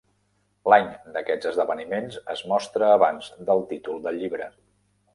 L'any d'aquests esdeveniments es mostra abans del títol del llibre.